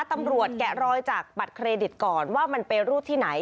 แกะรอยจากบัตรเครดิตก่อนว่ามันไปรูดที่ไหน